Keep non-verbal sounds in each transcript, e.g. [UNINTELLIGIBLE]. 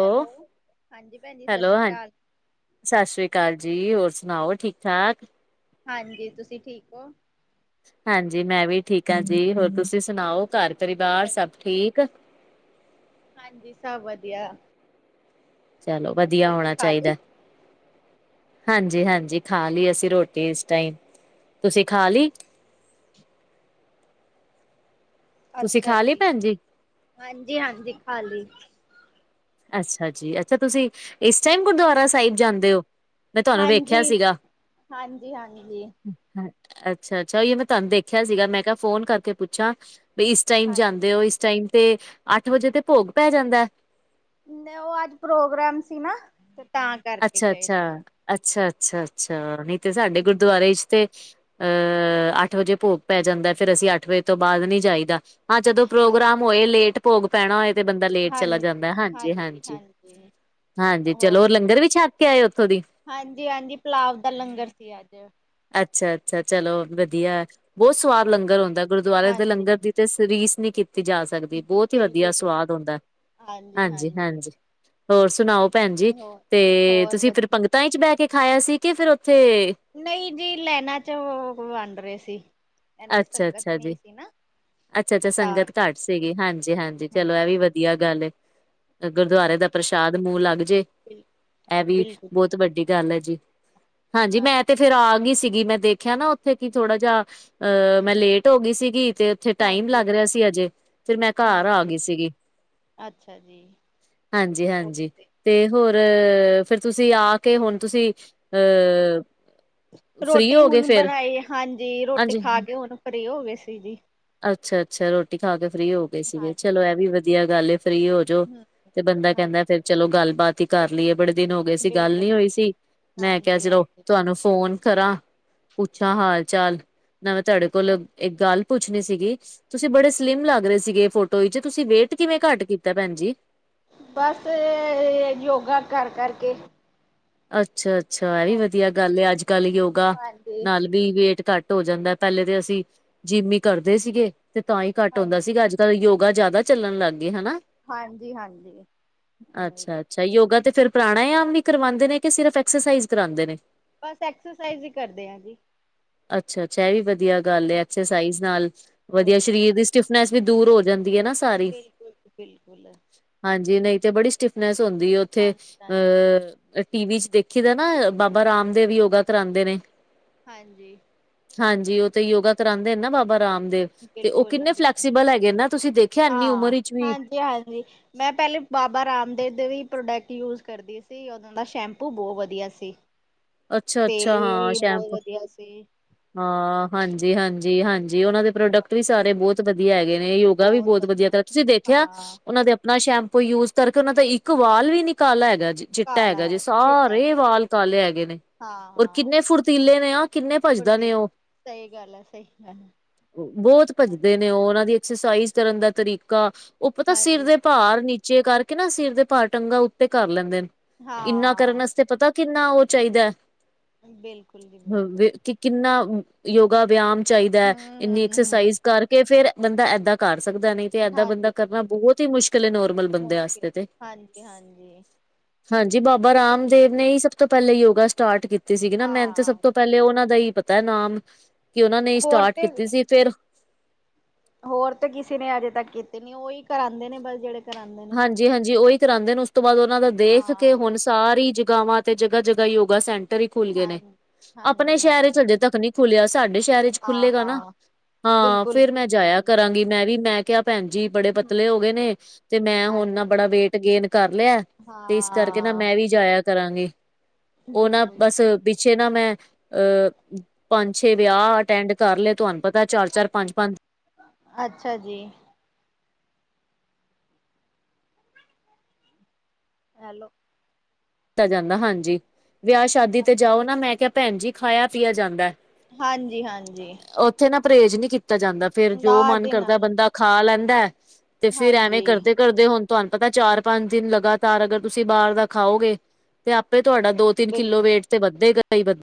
Hello, ਹਾਂਜੀ ਭੈਣ ਜੀ ਸਸ ਸ਼੍ਰੀ ਕਾਲ। ਸਸ ਸ਼੍ਰੀ ਕਾਲ ਜੀ। ਹੋਰ ਸੁਣਾਓ ਠੀਕ ਠਾਕ? ਹਾਂਜੀ, ਤੁਸੀਂ ਠੀਕ ਓ। ਹਾਂਜੀ ਮੈਂ ਵੀ ਠੀਕ ਆ ਜੀ, ਹੋਰ ਤੁਸੀਂ ਸੁਣਾਓ ਘਰ ਪਰਿਵਾਰ ਸਭ ਠੀਕ? ਹਾਂਜੀ, ਸਭ ਵਧੀਆ। ਚਲੋ, ਵਧੀਆ ਰੋਟੀ ਹੋਣਾ ਖਾ ਲਈ ਚਾਹੀਦਾ। ਹਾਂਜੀ -ਹਾਂਜੀ ਖਾ ਲਈ ਅਸੀਂ ਰੋਟੀ ਇਸ ਟਾਈਮ, ਤੁਸੀਂ ਖਾ ਲੀ? ਤੁਸੀਂ ਅੱਛਾ ਖਾ ਲਈ ਜੀ, ਭੈਣ ਹਾਂਜੀ -ਹਾਂਜੀ ਖਾਲੀ। ਅੱਛਾ ਜੀ, ਅੱਛਾ ਤੁਸੀਂ ਇਸ ਟਾਈਮ ਗੁਰਦੁਆਰਾ ਸਾਹਿਬ ਜਾਂਦੇ ਓ? ਹਾਂਜੀ, ਹਾਂਜੀ ਹਾਂਜੀ। ਅੱਛਾ- ਅੱਛਾ ਉਹੀ ਮੈਂ ਤੁਹਾਨੂੰ ਦੇਖਿਆ ਸੀਗਾ, ਮੈਂ ਕਿਹਾ ਫੋਨ ਕਰਕੇ ਪੁੱਛਾਂ ਵੀ ਇਸ ਟਾਈਮ ਹਾਂ ਜਾਂਦੇ ਓ, ਇਸ ਟਾਈਮ ਤੇ ਅੱਠ ਵਜੇ ਤੇ ਭੋਗ ਪੈ ਜਾਂਦਾ ਐ। ਮੈਂ ਉਹ ਅੱਜ ਪ੍ਰੋਗਰਾਮ ਸੀ ਨਾ ਤਾਂ ਕਰਕੇ ਅੱਛਾ ਗਏ -ਅੱਛਾ, ਸੀ ਅੱਛਾ ਅੱਛਾ ਅੱਛਾ ਨੀ ਤੇ ਸਾਡੇ ਗੁਰਦੁਆਰੇ ਚ ਤੇ ਅਹ ਅੱਠ ਵਜੇ ਭੋਗ ਪੈ ਜਾਂਦਾ, ਫੇਰ ਅਸੀਂ ਅੱਠ ਵਜੇ ਤੋਂ ਬਾਅਦ ਨੀ ਜਾਈਦਾ। ਹਾਂ ਜਦੋਂ ਹਾਂ ਪ੍ਰੋਗਰਾਮ ਹੋਏ ਲੇਟ ਭੋਗ ਪੈਣਾ ਹੋਏ ਤੇ ਬੰਦਾ ਲੇਟ ਚਲਾ ਜਾਂਦਾ। ਹਾਂਜੀ -ਹਾਂਜੀ, ਹਾਂਜੀ ਚਲੋ ਹੋਰ ਲੰਗਰ ਵੀ ਛੱਕ ਕੇ ਆਏ, ਉੱਥੋਂ ਦੀ? ਹਾਂਜੀ -ਹਾਂਜੀ, ਪਲਾਵ ਦਾ ਲੰਗਰ ਸੀ ਅੱਜ। ਅੱਛਾ -ਅੱਛਾ ਚਲੋ ਵਧੀਆ, ਬਹੁਤ ਸਵਾਦ ਲੰਗਰ ਹੁੰਦਾ, ਗੁਰਦੁਆਰੇ ਦੇ ਹਾਂਜੀ ਲੰਗਰ ਦੀ ਤੇ ਰੀਸ ਨਹੀਂ ਕੀਤੀ ਜਾ ਸਕਦੀ, ਬਹੁਤ ਹੀ ਵਧੀਆ ਬਿਲਕੁਲ ਜੀ। ਸਵਾਦ ਹਉਂਦਾ, ਹਾਂਜੀ। ਹੋਰ ਸੁਣਾਓ ਭੈਣ ਜੀ, ਹੋਰ ਤੇ ਹੋਰ ਤੁਸੀਂ ਫਿਰ ਵਧੀਆ ਪੰਗਤ ੱਤਾ 'ਚ ਬਹਿ ਕੇ ਖਾਇਆ ਸੀ, ਕਿ ਫਿਰ ਉੱਥੇ ਨਹੀਂ ਜੀ, ਲੈਨਾਂ ਚ ਉਹ ਵੰਡ ਰਹੇ ਸੀ। ਇੰਨੀ ਅੱਛਾ ਸੰਗਤ ਅੱਛਾ ਨਹੀਂ ਜੀ, ਸੀ ਨਾ ਅੱਛਾ -ਅੱਛਾ ਤੇ ਤਾਂ ਸੰਗਤ ਘੱਟ ਕਰਕੇ ਸੀਗੀ, ਹਾਂਜੀ- ਹਾਂਜੀ ਚਲੋ ਇਹ ਵੀ ਹੂੰ। ਵਧੀਆ ਵਧੀਆ ਗੱਲ ਏ, ਗੁਰਦੁਆਰੇ ਦਾ ਬਿਲ ਪ੍ਰਸ਼ਾਦ ਮੂੰਹ ਲੱਗ ਜੇ, ਇਹ ਵੀ ਬਿਲਕੁਲ ਬਹੁਤ ਵੱਡੀ ਗੱਲ ਹੈ ਜੀ, ਹਾਂਜੀ ਮੈਂ ਤੇ ਫਿਰ ਆ ਗਈ ਸੀਗੀ, ਮੈਂ ਦੇਖਿਆ ਨਾ ਉੱਥੇ ਕਿ ਥੋੜਾ ਜਾਿਹਾ ਅ ਮੈਂ ਲੇਟ ਹੋ ਗਈ ਸੀਗੀ ਤੇ ਉੱਥੇ ਟਾਈਮ ਹਾਂਜੀ ਲੱਗ ਰਿਹਾ ਸੀ, ਅਜੇ ਫਿਰ ਮੈਂ ਘਰ ਆ ਹਾਂਜੀ ਗਈ ਸੀਗੀ। ਅੱਛਾ। ਅੱਛਾ ਜੀ। ਹਾਂਜੀ, ਹਾਂਜੀ। ਤੇ ਹੋਰ ਫਿਰ ਤੁਸੀਂ ਆ ਕੇ ਹੁਣ ਤੁਸੀਂ ਅਹ ਰੋਟੀ ਹੁਣ ਬਣਾਈ ਹਾਂਜੀ, ਰੋਟੀ ਖਾ ਕੇ ਹੁਣ ਫ੍ਰਰੀ ਹੋ ਗਏ ਸੀ ਜੀ। ਅੱਛਾ ਅੱਛਾ ਰੋਟੀ ਖਾ ਕੇ ਫ੍ਰਰੀ ਹੋ ਗਏ ਸੀਗੇ, ਚਲੋ ਹਾਂਜੀ ਇਹ ਵੀ ਵਧੀਆ ਗੱਲ ਫ੍ਰਰੀ ਹੋਜੋ ਹੂੰ ਤੇ ਬੰਦਾ ਕਹਿੰਦਾ, ਹਾਂਜੀ ਫੇਰ ਚਲੋ ਗੱਲਬਾਤ ਤੀ ਕਰ ਲਈਏ, ਬੜੇ ਦਿਨ ਹੋ ਗਏ ਸੀ ਗੱਲ ਬਿਲਕੁਲ ਨੀ ਹੋਈ ਬਿਲਕੁਲ, ਸੀ, ਮੈਂ ਕਿਹਾ ਹਾਂਜੀ ਚਲੋ ਹਾਂਜੀ। ਤੁਹਾਨੂੰ ਫੋਨ ਕਰਾਂ ਪੁੱਛਾਂ ਹਾਲ ਚਾਲ, ਨਾਵੇੈਂ ਤੁਹਾਡੇ ਕੋਲ ਇੱਕ ਗੱਲ ਪੁੱਛਣੀ ਸੀਗੀ, ਤੁਸੀਂ ਬੜੇ ਸਲਿਮ ਲੱਗ ਰਹੇ ਸੀਗੇ ਫੋਟੋ ਵਿੱਚ, ਤੁਸੀਂ ਵੇਟ ਕਿਵੇਂ ਘੱਟ ਕੀਤਾ ਭੈਣ ਜੀ? ਬਸ, ਯੋਗਾ ਕਰ ਕਰਕੇ ਅੱਛਾ ਅੱਛਾ, ਐ ਵੀ ਵਧੀਆ ਗੱਲ ਹੈ, ਅੱਜ ਕੱਲ੍ਹ ਯੋਗਾ ਹਾਂਜੀ ਨਾਲ ਦੀ ਵੇਟ ਘੱਟ ਹੋ ਜਾਂਦਾ ਪਹਿਲੇ ਤਾਂ ਅਸੀਂ, ਜਿੰਮ ਹੀ ਕਰਦੇ ਸੀਗੇ, ਤੇ ਤਾਂ ਹੀ ਘੱਟ ਹਾਂ ਹੁੰਦਾ ਸੀਗਾ ਅੱਜ ਯੋਗਾ ਜ਼ਿਆਦਾ ਚੱਲਣ ਲੱਗ ਗਏ, ਹਨਾ। ਹਾਂਜੀ, ਹਾਂਜੀ। ਅੱਛਾ ਯੋਗਾ ਤੇ ਫਿਰ ਪ੍ਰਾਣਾਯਮ ਵੀ ਕਰਵਾਉਂਦੇ ਨੇ, ਸਿਰਫ ਐਕਸਸਾਈਜ਼ ਕਰਾਉਂਦੇ ਨੇ? ਬਸ ਐਕਸਰਸਾਈਜ਼ ਹੀ ਕਰਦੇ ਆ ਜੀ। ਅੱਛਾ ਅੱਛਾ ਇਹ ਵੀ ਵਧੀਆ ਗੱਲ ਹੈ, ਐਕਸਰਸਾਈਜ਼ ਨਾਲ ਵਧੀਆ ਹੋਏਗਾ। ਸਰੀਰ ਦੀ ਸਟਿਫਨੈਸ ਵੀ ਦੂਰ ਹੋ ਜਾਂਦੀ ਹੈ ਨਾ। ਸਾਰੀ ਬਿਲਕੁਲ, ਬਿਲਕੁਲ। ਹਾਂਜੀ ਨਹੀਂ ਤੇ ਬੜੀ ਸਟਿਫਨੈਸ ਹੁੰਦੀ ਹੈ ਉੱਥੇ, ਹਾਂਜੀ ਹਾਂਜੀ। ਅ ਟੀਵੀ 'ਚ ਦੇਖੀ ਦਾ ਨਾ, ਬਾਬਾ ਰਾਮਦੇਵ ਯੋਗਾ ਕਰਾਉਂਦੇ ਨੇ ਹਾਂਜੀ। ਹਾਂਜੀ ਉਹ ਤੇ ਯੋਗਾ ਕਰਾਉਂਦੇ ਨਾ, ਬਾਬਾ ਰਾਮਦੇਵ। ਤੇ ਉਹ ਬਿਲਕੁਲ ਕਿੰਨੇ ਬਿਲਕੁਲ। ਫਲੈਕਸੀਬਲ ਹੈਗੇ ਨਾ, ਤੁਸੀਂ ਦੇਖਿਆ ਇੰਨੀ ਉਮਰ ਹਾਂ ਵਿੱਚ ਵੀ ਹਾਂਜੀ ਹਾਂਜੀ। ਮੈਂ ਪਹਿਲੇ ਬਾਬਾ ਰਾਮਦੇਵ ਦੇਵੀ ਪ੍ਰੋਡਕਟ ਯੂਜ ਕਰਦੀ ਸੀ, ਉਦੋਂ ਦਾ ਸ਼ੈਂਪੂ ਬਹੁਤ ਵਧੀਆ ਸੀ। ਅੱਛਾ ਅੱਛਾ, ਤੇਲ ਹਾਂ ਵੀ ਬਹੁਤ ਸ਼ੈਂਪੂ ਵਧੀਆ ਸੀ ਹਾਂ ਹਾਂਜੀ ਹਾਂਜੀ, ਹਾਂਜੀ ਉਹਨਾਂ ਦੇ ਪ੍ਰੋਡਕਟ ਵੀ ਸਾਰੇ ਬਹੁਤ ਵਧੀਆ ਹੈਗੇ ਨੇ ਯੋਗਾ ਵੀ ਬਹੁਤ ਵਧੀਆ ਕਰਿਆ, ਤੁਸੀਂ ਦੇਖਿਆ ਹਾਂ ਉਹਨਾਂ ਦੇ ਨਾ ਸ਼ੈਂਪੂ ਯੂਜ ਕਰਕੇ, ਉਹਨਾਂ ਦਾ ਇੱਕ ਵਾਲ ਵੀ ਨਿਕਾਲਾ ਹੈਗਾ ਜੀ ਚਿੱਟਾ ਕਾਲਾ ਹੈਗਾ ਜੇ, ਚਿੱਟਾ ਸਾਰੇ ਵਾਲ ਕਾਲੇ ਹੈਗੇ ਨੇ। ਹਾਂ ਔਰ ਹਾਂ ਕਿੰਨੇ ਫੁਰਤੀਲੇ ਨੇ ਆ, ਕਿੰਨੇ ਭੱਜਦੇ ਕੁੜਤੇ ਨੇ ਉਹ। ਸਹੀ ਗੱਲ ਹੈ ਸਹੀ ਗੱਲ ਬਹੁਤ ਭੱਜਦੇ ਹੈ ਨੇ ਉਹ, ਉਹਨਾਂ ਦੀ ਐਕਸਰਸਾਈਜ਼ ਕਰਨ ਦਾ ਤਰੀਕਾ, ਉਹ ਪਤਾ ਸਿਰ ਹਾਂਜੀ ਦੇ ਭਾਰ ਨੀਚੇ ਕਰਕੇ ਨਾ, ਸਿਰ ਦੇ ਭਾਰ ਟੰਗਾਂ ਉੱਤੇ ਕਰ ਲੈਂਦੇ ਨੇ, ਇੰਨਾ ਕਰਨ ਹਾਂ। ਵਾਸਤੇ ਪਤਾ ਕਿੰਨਾ ਉਹ ਚਾਹੀਦਾ ਬਿਲਕੁਲ। ਬਿਲਕੁਲ ਕਿ ਕਿੰਨਾ ਯੋਗਾ ਵਿਆਮ ਚਾਹੀਦਾ, ਹੂੰ ਇੰਨੀ ਹੂੰ ਹੂੰ ਐਕਸਰਸਾਈਜ਼ ਕਰਕੇ ਫੇਰ ਬੰਦਾ ਏਦਾਂ ਕਰ ਸਕਦਾ, ਨਹੀਂ ਤੇ ਏਦਾਂ ਹਾਂਜੀ। ਬੰਦਾ ਕਰਨਾ ਬਹੁਤ ਹੀ ਮੁਸ਼ਕਿਲ ਨੂੰ ਬੰਦੇ ਮੁਸ਼ਕਿਲ ਵਾਸਤੇ ਤੇ, ਹਾਂਜੀ ਹਾਂਜੀ ਹਾਂਜੀ ਬਾਬਾ ਹਾਂ ਰਾਮਦੇਵ ਨੇ ਸਭ ਤੋਂ ਪਹਿਲੇ ਯੋਗਾ ਸਟਾਰਟ ਕੀਤੀ ਸੀਗੀ ਨਾ, ਮੈਨੂੰ ਤੇ ਸਭ ਹਾਂ ਤੋਂ ਪਹਿਲੇ ਉਹਨਾ ਦਾ ਹੀ ਪਤਾ ਨਾਮ ਕਿ ਉਹਨਾਂ ਨੇ ਹੋਰ ਸਟਾਰਟ ਤੇ ਕੀਤੀ ਸੀ, ਫਿਰ ਹੋਰ ਤਾਂ ਕਿਸੇ ਨੇ ਅਜੇ ਤੱਕ ਕੀਤੇ ਨੀ, ਉਹੀ ਕਰਾਂਉਂਦੇ ਨੇ ਬਸ ਜਿਹੜੇ ਕਰਾਂਦੇ ਨੇ ਹਾਂਜੀ ਹਾਂਜੀ ਉਹੀ ਕਰਾਉਂਦੇ ਨੇ, ਉਸ ਤੋਂ ਬਾਅਦ ਉਹਨਾਂ ਦਾ ਦੇਖ ਕੇ ਹਾਂ ਹੁਣ ਸਾਰੀ ਜਗਾਵਾਂ ਤੇ, ਜਗ੍ਹਾ ਜਗ੍ਹਾ ਯੋਗਾ ਸੈਂਟਰ ਹੀ ਖੁੱਲ੍ਹ ਗਏ ਹਾਂ ਨੇ। ਆਪਣੇ ਹਾਂਜੀ ਸ਼ਹਿਰ 'ਚ ਹਾਂਜੀ ਅਜੇ ਤੱਕ ਨਹੀਂ ਖੁੱਲਿਆ, ਸਾਡੇ ਸ਼ਹਿਰ ਹਾਂ ਵਿਚ ਖੁੱਲੇਗਾ ਨਾ ਹਾਂ ਹਾਂ ਬਿਲਕੁਲ ਫੇਰ ਮੈਂ ਬਿਲਕੁਲ ਜਾਇਆ ਜੀ ਕਰਾਂਗੀ ਮੈਂ ਵੀ, ਮੈਂ ਕਿਹਾ ਭੈਣ ਜੀ ਬੜੇ ਪਤਲੇ ਹੋ ਗਏ ਹਮ ਨੇ, ਤੇ ਮੈਂ ਹਾਂ ਹੁਣ ਨਾ ਬੜਾ ਵੇਟ ਗੇਨ ਕਰ ਲਿਆ। ਤੇ ਇਸ ਕਰਕੇ ਨਾ ਹਾਂ ਮੈਂ ਵੀ ਜਾਇਆ ਕਰਾਂਗੀ, ਉਹ ਨਾ ਬਿਲਕੁਲ ਬਸ ਪਿੱਛੇ ਨਾ ਮੈਂ ਅਹ ਪੰਜ ਛੇ ਵਿਆਹ ਅਟੈਂਡ ਕਰ ਲਏ, ਤੁਹਾਨੂੰ ਪਤਾ ਚਾਰ ਚਾਰ, ਪੰਜ ਪੰਜ ਅੱਛਾ ਜੀ। ਹੈਲੋ, ਦਿੱਤਾ ਜਾਂਦਾ ਹਾਂਜੀ, ਵਿਆਹ ਸ਼ਾਦੀ ਤੇ ਜਾਓ ਨਾ ਮੈਂ ਕਿਹਾ ਭੈਣ ਜੀ ਖਾਇਆ ਪੀਆ ਜਾਂਦਾ। ਹਾਂਜੀ, ਹਾਂਜੀ। ਉੱਥੇ ਨਾ ਪਰਹੇਜ਼ ਨਹੀਂ ਕੀਤਾ ਜਾਂਦਾ, ਫੇਿਰ ਨਾ ਜੋ ਮਨ ਜੀ ਨਾ ਕਰਦਾ ਬੰਦਾ ਖਾ ਲੈਂਦਾ। ਤੇ ਫੇਿਰ ਐਵੇਂ ਹਾਂਜੀ ਕਰਦੇ ਕਰਦੇ, ਹੁਣ ਤੁਹਾਨੂੰ ਪਤਾ ਚਾਰ ਪੰਜ ਦਿਨ ਲਗਾਤਾਰ ਅਗਰ ਤੁਸੀਂ ਬਾਹਰ ਦਾ ਖਾਓਗੇ ਤੇ ਆਪੇ ਤੁਹਾਡਾ, ਦੋ ਤਿੰਨ ਕਿੱਲੋ ਬਿਲਕੁਲ ਵੇਟ ਤੇ ਵੱਧੇਗਾ ਹੀ ਵ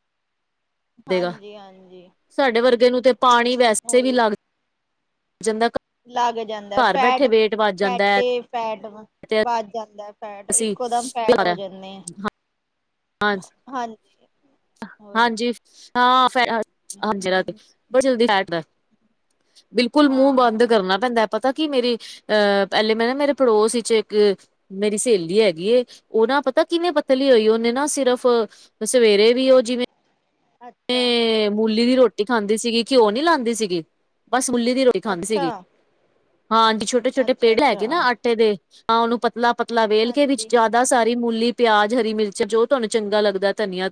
ਦੇ ਹਾਂਜੀ ਹਾਂਜੀ ਸਾਡੇ ਵਰਗੇ ਨੂੰ ਤੇ, ਪਾਣੀ ਵੈਸੇ ਵੀ ਉਹੀ ਲੱਗ ਜਾਂਦਾ ਏ। ਲੱਗ ਜਾਂਦਾ ਹੈ, ਫੈਟ ਜਾਂਦਾ ਹੈ ਫੈਟੇ ਫੈਟ ਤੇ ਵੱਧ ਜਾਂਦਾ ਫੈਟ, ਅਸੀਂ ਇੱਕੋ ਦਮ ਫੈਟ ਹੋ ਜਾਂਦੇ ਆ। ਹਾਂਜੀ ਹਾਂਜੀ ਉਹੀ ਹਾਂਜੀ, ਹਾਂ ਫੇਰ ਹਾਂਜੀ ਰਾ ਹਮ ਬੜੀ ਜਲਦੀ, ਬਿਲਕੁਲ ਮੂੰਹ ਬੰਦ ਹਾਂ ਕਰਨਾ ਪੈਂਦਾ। ਪਤਾ ਕੀ ਮੇਰੀ, ਅਹ ਪਹਿਲੇ ਮੈਂ ਨਾ ਮੇਰੇ ਪੜੋਸ ਵਿੱਚ ਇੱਕ ਮੇਰੀ ਸਹੇਲੀ ਹੈਗੀ ਏ, ਉਹਨਾਂ ਪਤਾ ਕਿਵੇਂ ਪੱਤਲੀ ਹੋਈ ਉਹਨੇ ਨਾ ਸਿਰਫ, ਸਵੇਰੇ ਵੀ ਉਹ ਜਿਵੇਂ ਅੱਛਾ ਮ ਮੂਲੀ ਦੀ ਰੋਟੀ ਖਾਂਦੀ ਸੀਗੀ, ਘਿਓ ਨਹੀਂੀ ਲਾਉਂਦੀ ਸੀਗੀ, ਬਸ ਮਲੀ ਦੀ ਰੋਟੀ- ਖਾਂਦੀ ਅੱਛਾ ਸੀਗੀ, ਹਾਂਜੀ ਛੋਟੇ ਛੋਟੇ ਅੱਛਾ ਪੇੜ ਅੱਛਾ ਹੈਗੇ ਨਾ ਆਟੇ ਦੇ, ਹਾਂ ਉਹਨੂੰ ਪ ਪਤਲਾ ਪਤਲਾ ਵੇਲ ਕੇ, ਵਿੱਚ ਹਾਂਜੀ ਜਿਆਦਾ ਸਾਰੀ ਮੂਲੀ ਪਿਆਜ, ਹਰੀ ਮਿਰਚਾਂ, ਜੋ ਤੁਹਾਨੂੰ ਚੰਗਾ ਲੱਗਦਾ ਧਨੀਆ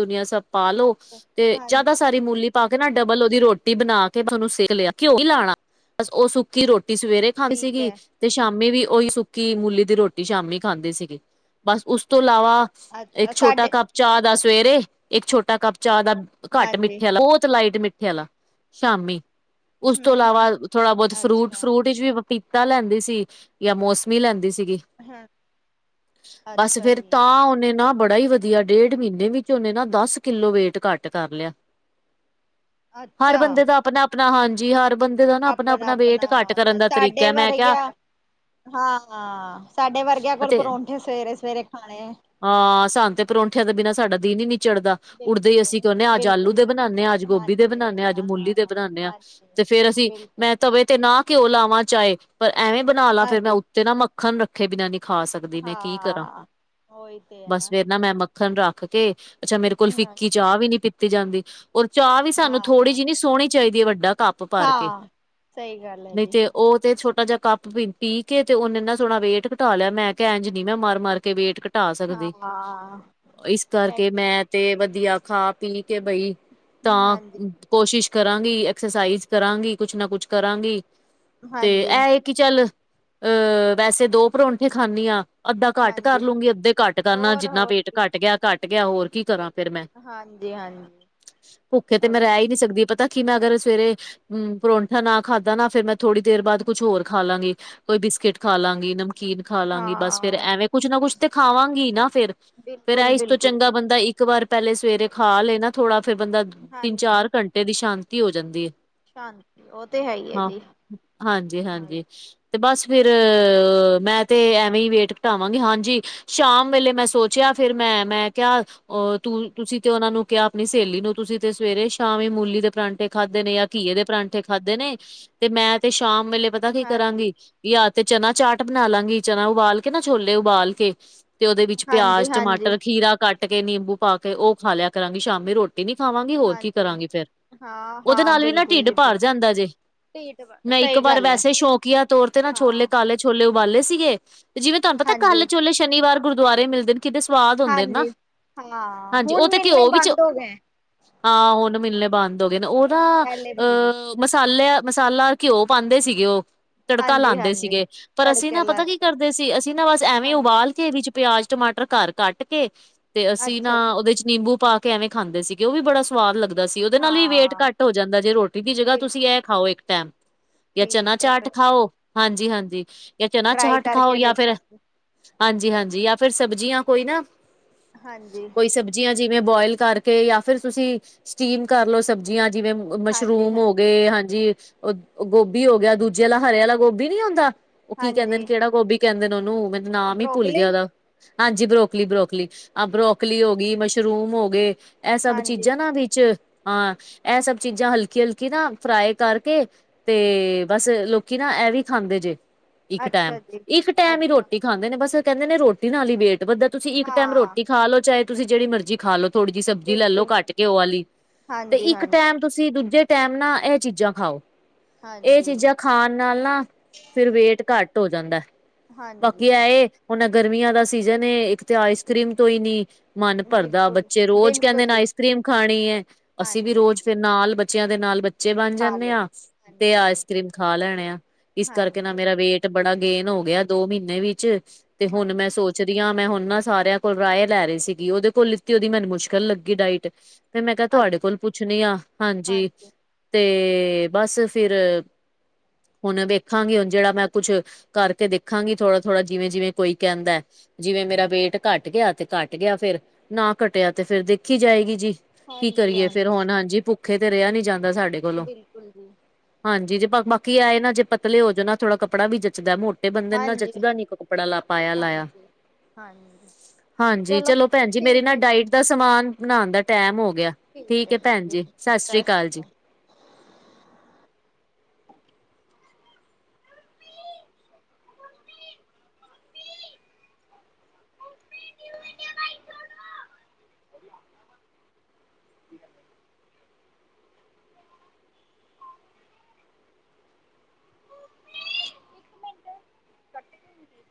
ਦੁਨੀਆਂ ਸਭ ਪਾ ਲੋ, ਅੱਛਾ ਤੇ ਹਾਂਜੀ ਜ਼ਿਆਦਾ ਸਾਰੇ ਮੂਲੀ ਪਾ ਕੇ ਨਾ ਡਬਲ ਉਹਦੀ ਰੋਟੀ ਬਣਾ ਕੇ ਉਹਨੂ ਸੇਕ ਲਿਆ, ਘਿਓ ਨੀ ਲਾਣਾ ਬ ਉਹ ਸੁੱਕ ਕਿ ਅੱਛਾ ਰੋਟੀ ਸਵੇਰੇ ਖਾਂਦੀ ਠੀਕ ਸੀਗੀ ਹੈ ਤੇ ਸ਼ਾਮੀ ਵੀ ਉਹੀ ਸੁੱਕੀ ਮੂਲੀ ਦੀ ਰੋਟੀ, ਸ਼ਾਮੀ ਖਾਂਦੇ ਸੀਗੇ। ਬਸ ਉਸ ਤੋਂ ਇਲਾਵਾ ਅੱਛਾ ਇੱਕ ਛੋਟਾ ਸਾਡੇ ਕੱਪ ਚਾਹ ਦਾ ਸਵੇਰੇ, ਇੱਕ ਛੋਟਾ ਕੱਪ ਚਾਹ ਦਾ ਘੱਟ ਹਾਂਜੀ ਮਿੱਠੇ ਵਾਲਾ, ਬਹੁਤ ਲਾਈਟ ਮਿੱਠੇ ਵਾਲਾ ਸ਼ਾਮੀ ਉਸ ਤੋਂ ਹਮ ਹਮ ਇਲਾਵਾ ਥੋੜਾ ਬਹੁਤ ਫਰੂਟ, ਅੱਛਾ ਫਰੂਟ ਵਿਚ ਵੀ ਪੀਤਾ ਲੈਂਦੀ ਸੀ, ਜਾਂ ਮੌਸਮੀ ਲੈਂਦੀ ਸੀਗੀ। ਹਾਂ ਬਸ ਅੱਛਾ ਫੇਰ ਜੀ ਤਾਂ ਉਹਨੇ ਨਾ ਬੜਾ ਹੀ ਵ ਦੀਆ ਡੇਢ ਮਹੀਨੇ ਵਿੱਚ ਉਹਨੇ ਦਸ ਕਿੱਲੋ ਵੇਟ ਘੱਟ ਕਰ ਲਿਆ। ਹਰ ਅੱਛਾ ਬੰਦੇ ਦਾ ਆਪਣਾ ਆਪਣਾ ਹਾਂਜੀ ਹਰ ਬੰਦ ਆਪਣਾ ਆਪਣਾ ਹੁੰਦਾ ਸਾਡੇ ਮੈਂ ਕਿਹਾ ਵਰਗਿਆ। ਹਾਂ ਸਾਡੇ ਵਰਗਿਆਂ ਕੋਲੋ ਅਤੇ ਪਰੌਂਠੇ ਸਵੇਰੇ ਸਵੇਰੇ ਖਾਣੇ ਹਾਂ ਸਾਨ ਤੇ ਪਰੌਂਠਿਆਂ ਦੇ ਬਿਨਾਂ ਸਾਡਾ ਦਿਨ ਹੀ ਨੀ ਚੜਦਾ ਉੱਡਦੇ ਹੀ ਅਸੀਂ ਬਿਲਕੁਲ ਕਹਿੰਦੇ ਹਾਂ ਅੱਜ ਆਲੂ ਬਿਲਕੁਲ ਦੇ ਬਣਾਉਂਦੇ ਹਾਂ ਅੱਜ ਗੋਭੀ ਦੇ ਬਣਾਉਂਦੇ ਹਾਂ ਅੱਜ ਮੂਲੀ ਦੇ ਬਣਾਉਂਦੇ ਹਾਂ ਹਾਂਜੀ ਤੇ ਫੇਰ ਅਸੀਂ ਮੈਂ ਬਿਲਕੁਲ ਤਵੇ ਤੇ ਨਾ ਘਿਓ ਲਾਵਾਂ ਚਾਹੇ ਪਰ ਐਵੇਂ ਬਣਾ ਲਾ ਫੇਰ ਮੈਂ ਹਾਂਜੀ ਉੱਤੇ ਨਾ ਮ ਮੱਖਣ ਰੱਖੇ ਬਿਨਾਂ ਨਹੀਂ ਖਾ ਸਕਦੀ ਮੈਂ ਕੀ ਕਰਾਂ ਹਾਂ ਉਹੀ ਤੇ ਹੈ ਬਸ ਫੇਰ ਨਾ ਮੈਂ ਮ ਮੱਖਣ ਰੱਖ ਕੇ ਅੱਛਾ ਮੇਰੇ ਕੋਲੋਂ ਫਿੱਕੀ ਹਾਂਜੀ ਚਾਹ ਵੀ ਨੀ ਪੀਤੀ ਜਾਂਦੀ। ਔਰ ਚਾਹ ਵੀ ਸਾਨੂੰ ਹਾਂ ਥੋੜ੍ਹੀ ਜਿਹੀ ਨੀ ਸੋਹਣੀ ਚਾਹੀਦੀ ਵੱਡਾ ਕੱਪ ਭਰ ਕੇ ਹਾਂ ਸਹੀ ਗੱਲ ਹੈ ਨਹੀਂ ਜੀ ਤੇ ਉਹ ਤੇ ਛੋਟਾ ਜਿਹਾ ਕੱਪ ਪੀ ਕੇ ਤੇ ਉਹਨੇ ਇਨਾ ਸੋਹਣਾ ਵੇਟ ਘਟਾ ਲਿਆ ਮੈਂ ਕਿਹਾ ਇੰਝ ਨੀ ਮੈਂ ਮਾਰ ਮਾਰ ਕੇ ਵੇਟ ਘਟਾ ਸਕਦੀ ਹਾਂ ਇਸ ਕਰਕੇ ਐਕ- ਮੈਂ ਤੇ ਵਧੀਆ ਖਾ ਪੀ ਕੇ ਬਈ, ਤਾਂ ਹਾਂਜੀ [UNINTELLIGIBLE] ਕੋਸ਼ਿਸ਼ ਕਰਾਂਗੀ ਐਕਸਰਸਾਈਜ਼ ਕਰਾਂਗੀ, ਕੁਛ ਨਾ ਕੁਛ ਕਰਾਂਗੀ ਤੇ ਹਾਂਜੀ ਐ ਇੱਕ ਕਿ ਚੱਲ ਅਹ ਵੈਸੇ ਦੋ ਪਰੋਂਠੇ ਖਾਂਦੀ ਹਾਂ। ਅੱਧਾ ਘੱਟ ਕਰ ਹਾਂਜੀ ਲਊਗੀ ਅੱਧੇ ਘੱਟ ਕਰਨਾ ਹੋਰ ਜਿੰਨਾ ਹੋਰ ਵੇਟ ਜੀ ਘੱਟ ਗਿਆ ਘੱਟ ਗਿਆ ਹੋਰ ਕੀ ਕਰਾਂ। ਫਿਰ ਮੈਂ, ਹਾਂਜੀ ਹਾਂਜੀ ਭੁੱਖੇ ਤੇ ਮੈਂ ਉਹੀ ਰਹਿ ਹੀ ਨਹੀਂ ਸਕਦੀ ਪਤਾ। ਕਿ ਮੈਂ ਅਗਰ ਸਵੇਰੇ ਅਮ ਪਰੋਂਠਾ ਨਾ ਖਾਧਾ ਨਾ ਫਿਰ ਮੈਂ ਥੋੜੀ ਦੇਰ ਬਾਅਦ ਕੁਛ ਹੋਰ ਖਾ ਲਾਂਗੀ। ਕੋਈ ਬਿਸਕਿਟ ਖਾ ਲਾਂਗੀ ਨਮ ਕੀਨ ਖਾ ਲਾਂਗੀ ਬਸ ਫੇਰ ਹਾਂ ਐਵੇਂ ਕੁੱਛ ਨਾ ਕੁੱਛ ਤੇ ਖਾਵਾਂਗੀ ਨਾ ਫੇਰ ਫੇਰ ਬਿਲਕੁਲ ਤੋਂ ਬਿਲਕੁਲ ਚੰਗਾ ਜੀ ਬੰਦਾ ਇੱਕ ਵਾਰ ਪਹਿਲੇ ਸਵੇਰੇ ਖਾ ਲਏ ਨਾ ਥੋੜਾ ਫਿਰ ਬੰਦਾ ਤਿੰਨ- ਹਾਂਜੀ ਚਾਰ ਘੰਟੇ ਏਹਦੀ ਸ਼ਾਂਤੀ ਹੋ ਜਾਂਦੀ ਏ। ਸ਼ਾਂਤੀ ਉਹ ਤੇ ਹੈ ਹੀ ਹੈ ਹਾਂ, ਜੀ ਹਾਂਜੀ ਹਾਂਜੀ ਤੇ ਬਸ ਫਿਰ ਮੈਂ ਤੇ ਐਵੇਂ ਹੀ ਵੇਟ ਘਟਾਵਾਂਗੀ ਹਾਂਜੀ ਸ਼ਾਮ ਵੇਲੇ ਮੈਂ ਸੋਚਿਆ ਫਿਰ ਮੈਂ ਮੈਂ ਕਿਹਾ ਓਹ ਤੂੰ ਤੁਸੀਂ ਤੇ ਓਹਨਾ ਨੂੰ ਕਿਹਾ ਆਪਨੀ ਸਹੇਲੀ ਨੂੰ ਤੁਸੀਂ ਤੇ ਸਵੇਰੇ ਸ਼ਾਮ ਹੀ ਮੂਲੀ ਦੇ ਪਰਾਂਠੇ ਖਾਧੇ ਨੇ ਯਾਰ ਘੀਏ ਦੇ ਪਰਾਂਠੇ ਖਾਧੇ ਨੇ ਤੇ ਮੈਂ ਤੇ ਸ਼ਾਮ ਵੇਲੇ ਬ ਪਤਾ ਕੀ ਹਾਂਜੀ ਕਰਾਂਗੀ ਯਾ ਤੇ ਚਨਾ ਚਾਟ ਬਨਾ ਲਾਂਗੀ ਚਨਾ ਉਬਾਲ ਕੇ ਨਾ ਛੋਲੇ ਉਬਾਲ ਕੇ। ਤੇ ਓਹਦੇ ਵਿੱਚ ਹਾਂਜੀ ਪਿਆਜ਼ ਹਾਂਜੀ ਟਮਾਟਰ ਖੀਰਾ ਕੱਟ ਕੇ ਨਿੰਬੂ ਪਾ ਕੇ ਓ ਖਾ ਲਿਆ ਕਰਾਂਗੀ ਸ਼ਾਮੀ ਰੋਟੀ ਰੋਟੀ ਨੀ ਖਾਵਾਂਗੀ ਹੋਰ ਕੀ ਹਾਂਜੀ ਕਰਾਂਗੀ ਫੇਰ ਹਾਂ ਓਹਦੇ ਹਾਂ ਨਾਲ ਵੀ ਨਾ ਬਿਲਕੁਲ ਟਿਡ ਜੀ ਪਰ ਬਿਲਕੁਲ ਜਾਂਦਾ ਜੇ। ਢੀਠ ਮੈ ਇੱਕ ਸਹੀ ਵਾਰ ਗੱਲ ਹੈ ਵੈਸੇ ਸ਼ੌਕੀਆਂ ਤੌਰ ਤੇ ਨਾ ਛੋਲੇ ਹਾਂ ਕਾਲੇ ਛੋਲੇ ਉਬਾਲੇ ਸੀਗੇ ਤੇ ਜਿਵੇਂ ਤੁਹਾਨੂੰ ਪਤਾ ਹਾਂਜੀ ਕਾਲੇ ਛੋਲੇ ਸ਼ਨੀਵਾਰ ਗੁਰਦੁਆਰੇ ਮਿਲਦੇ ਨੇ ਕਿਡੇ ਸੁਵਾਦ ਹੁੰਦੇ ਨਾ ਹਾਂਜੀ ਹਾਂ ਹਾਂਜੀ ਓ ਹੁਣ ਤੇ ਮਿਲਣੇ ਘਿਓ ਵਿਚ ਬੰਦ ਹੋ ਗਏ ਹਾਂ ਹੁਣ ਮਿਲਨੇ ਬੰਦ ਹੋ ਗਏ ਨੇ ਓਹ ਨਾ ਪਹਿਲੇ ਮਿਲਦੇ ਅਹ ਮਸਾਲਿ ਮਸਾਲਾ ਘਿਓ ਪਾਉਂਦੇ ਸੀਗੇ ਓਹ। ਤੜਕਾ ਹਾਂਜੀ ਲਾਉਂਦੇ ਹਾਂਜੀ ਸੀਗੇ ਪਰ ਅਸੀਂ ਤੜਕੇ ਨਾ ਲਾ ਪਤਾ ਕੀ ਕੇ ਕਰਦੇ ਸੀ ਅਸੀਂ ਨਾ ਬਸ ਐਵੇਂ ਈ ਹਾਂਜੀ ਉਬਾਲ ਘੇਰੀ 'ਚ ਪਿਆਜ ਟਮਾਟਰ ਘਰ ਕੱਟ ਕੇ ਤੇ ਅਸੀਂ ਨਾ ਅੱਛਾ ਓਹਦੇ 'ਚ ਨਿੰਬੂ ਪਾ। ਕੇਵੇਂ ਖਾਂਦੇ ਸੀਗੇ ਓ ਵੀ ਬੜਾ ਸੁਵਾਦ ਲੱਗ ਹੁੰਦਾ ਸੀ ਓਹਦੇ ਨਾਲ ਹੀ ਵੇਟ ਹਾਂ ਘੱਟ ਹੋ ਜਾਂਦਾ ਜੇ ਰੋਟੀ ਦੀ ਜਗਹਾ ਬਿਲ ਤੁਸੀਂ ਇਹ ਖਾਓ ਇੱਕ ਟਾਈਮ। ਜਾਂ ਚਨਾ ਠੀਕ ਹੈ ਚਾਟ ਫਿਰ ਖਾਓ ਹਾਂਜੀ ਹਾਂਜੀ ਜਾਂ ਚਨਾ ਟਰਾਈ ਚਾਟ ਖਾਓ ਕਰਕੇ ਯਾਂ ਫੇਰ। ਦੇਖਾਂਗੇ ਹਾਂਜੀ ਹਾਂਜੀ ਯਾ ਫਿਰ ਸਬਜ਼ੀਆਂ ਕੋਈ ਨਾ ਹਾਂਜੀ ਕੋਈ ਸਬ ਸਬਜ਼ੀਆਂ ਜਿਵੇਂ ਬੋਇਲ ਕਰਕੇ ਜਾਂ ਫਿਰ ਤੁਸੀਂ ਸਟੀਮ ਕਰ ਲਓ ਸਬਜ਼ੀਆਂ ਜਿਵੇਂ ਹਾਂਜੀ ਮਸ਼ਰੂਮ ਹੋ ਹਾਂਜੀ ਗਏ ਹਾਂਜੀ ਓ ਗੋਭੀ ਹੋ ਗਿਆ ਦੂਜੇ ਵਾਲਾ ਹਰੇ ਵਾਲਾ ਗੋਭੀ ਨੀ ਹੁੰਦਾ। ਓਹ ਕੀ ਕਹਿੰਦੇ ਨੇ ਹਾਂਜੀ ਕਿਹੜਾ ਗੋਭੀ ਕਹਿੰਦੇ ਨੇ ਓਹਨੂੰ ਮੈਨੂੰ ਨਾਮ ਹੀ ਭੁੱਲ ਗਿਆ ਬਰੋਕਲੀ ਓਹਦਾ ਹਾਂਜੀ ਬਰੋਕਲੀ ਬਰੋਕਲੀ। ਆ ਅੱਛਾ ਬਰੋਕਲੀ ਹੋ ਗਈ ਮਸ਼ਰੂਮ ਹੋ ਗਏ ਇਹ ਸਭ ਹਾਂਜੀ ਚੀਜ਼ਾਂ ਨਾ ਵਿੱਚ। ਹਾਂ, ਇਹ ਸਭ ਚੀਜ਼ਾਂ ਹਲਕੀ-ਹਲਕੀ ਨਾ ਫਰਾਈ ਕਰਕੇ ਤੇ ਬਸ ਲੋਕ ਕਿ ਨਾ ਐਵੈ ਵੀ ਖਾਂਦੇ ਜੇ ਇੱਕ ਟੈਮ ਅੱਛਾ ਜੀ ਇੱਕ ਟਾਈਮ ਹੀ ਅੱਛਾ ਰੋਟੀ ਖਾਂਦੇ ਨੇ ਬਸ ਕਹਿੰਦੇ ਨੇ ਰੋਟੀ ਨਾਲ ਹੀ ਵੇਟ ਵੱਧਦਾ ਤੁਸੀਂ ਇੱਕ ਟਾਈਮ ਹਾਂ ਰੋਟੀ ਖਾ ਲੋ ਚਾਹੇ ਤੁਸੀਂ ਜਿਹੜੀ ਮਰਜ਼ੀ ਖਾ ਲੋੋ। ਥੋੜੀ ਜਿਹੀ ਸਬਜ਼ੀ ਲੈ ਲੋ ਬਿਲਕੁਲ ਕੱਟ ਘਿਉ ਵਾਲੀ ਤੇ ਹਾਂਜੀ ਇੱਕ ਹਾਂਜੀ ਟੈਮ ਤੁਸੀਂ ਦੂਜੇ ਟਾਈਮ ਨਾ ਇਹ ਚੀਜ਼ਾਂ ਖਾਓ। ਇਹ ਹਾਂਜੀ ਚੀਜ਼ਾਂ ਖਾਣ ਨਾਲ ਨਾ ਫਿਰ ਵੇਟ ਘੱਟ ਹੋ ਜਾਂਦਾ ਏ। ਹਾਂਜੀ ਬਾਕੀ ਐਏ ਹੁਨ ਗਰਮੀਆਂ ਦਾ ਸੀਜਨ ਏ ਇੱਕ ਤੇ ਆਈਸ ਕਰੀਮ ਤੋਂਈ ਨੀ ਮਨ ਭਰਦਾ ਬਿਲਕੁਲ ਬੱਚੇ ਰੋਜ਼ ਕਹਿੰਦੇ ਬਿਲਕੁਲ ਨੇ, ਜੀ ਆਈਸ ਕਰ੍ਰੀਮ ਖਾਣੀ ਐ। ਅਸੀਂ ਵੀ ਹਾਂਜੀ ਰੋਜ ਨਾਲ ਬੱਚਿਆਂ ਦੇ ਨਾਲ ਬ ਬੱਚੇ ਬਨ ਖਾ ਜਾਂਦੇ ਲਏ ਆ, ਤੇ ਹਾਂਜੀ ਆਈਸ ਕਰ੍ਰੀਮ ਖਾ ਲੈਣੇ ਆ ਇਸ ਕਰਕੇ ਨਾ ਹਾਂਜੀ ਮੇਰਾ ਵੇਟ ਬੜਾ ਗੇਨ ਹੋ ਗਿਆ, ਐਹ ਦੋ ਮਹੀਨੇ ਵਿੱਚ ਤੇ ਹੁਨ ਹਾਂਜੀ ਮੈਂ ਸੋਚ ਰੀਆਂ ਮੈਂ ਹੁਨ ਨਾ ਸਾਰਿਆਂ ਕੋਲ ਰਾਹਏ ਲੈ ਰਹੀ ਸੀਗੀ ਓਹਦੇ ਕੋਲ ਲਿੱਤੀ ਓਹਦੀ ਮੈਨੂੰ ਮੁਸ਼ਕਿਲ ਲੱਗੀ ਡਾਇਟ। ਫੇਰ, ਮੈਂ ਕਿਹਾ ਅੱ ਤੁਹਾਡੇ ਕੋਲ ਪੁੱਛਦੀਆ। ਹਾਂਜੀ, ਤੇ ਬਸ ਫਿਰ ਹੁਨ ਵੇਖਾਂਗੀ ਹੁਨ, ਜਿਹੜਾ ਮੈਂ ਕੁੱਛ ਕਰਕੇ ਦੇਖਾਂਗੀ ਥੋੜਾ -ਥੋੜਾ ਜਿਵੇਂ-ਜਿਵੇਂ ਕੋਈ ਕਹਿੰਦਾ ਐ। ਜਿਵੇਂ ਮੇਰਾ ਵੇਟ ਘੱਟ ਗਿਆ, ਤੇ ਘੱਟ ਗਿਆ ਫੇਰ ਨਾ ਘੱਟਿਆ ਤੇ ਫੇਰ ਦੇਖੀ ਜਾਏਗੀ ਜੀ। ਕੀ ਹਾਂਜੀ ਕਰੀਏ ਹਾਂਜੀ ਫੇਰ ਹੁਨ। ਹਾਂਜੀ, ਭੁੱਖੇ ਤੇ ਰਿਹਾ ਨੀ ਜਾਂਦਾ, ਸਾਡੇ ਕੋਲੋਂ ਬਿਲਕੁਲ ਜੀ। ਹਾਂਜੀ, ਜੇ ਬਾਕੀ ਐ ਏ ਨਾ ਜੇ ਪਤਲੇ ਹੋ ਜੋ ਨਾ ਥੋੜਾ ਕੱਪੜਾ ਵੀ ਜੱਚਦਾ ਮੋਟ ਤੇ, ਬੰਦੇ ਨੂੰ ਨਾ ਹਾਂਜੀ ਜੱਚਦਾ ਨੀ, ਕੱਪੜਾ ਲਾ ਪਾਇਆ ਲਾਇਆ। ਹਾਂਜੀ ਹਾਂਜੀ। ਹਾਂਜੀ, ਚਲੋ ਭੈਨ ਜੀ ਮੇਰੀ ਠੀਕ ਨਾ ਹੈ ਡਾਇਟ ਦਾ ਸਮਾਨ ਬਣਾਉਨ ਦਾ ਟੈਮ ਹੋ ਗਿਆ ਐ। ਠੀਕ ਹੈ। ਭੈਣ ਜੀ ਸਤਿ ਸ੍ਰੀ ਅਕਾਲ ਜੀ। [UNINTELLIGIBLE] [INAUDIBLE] ਕੱਟ ਗਈ।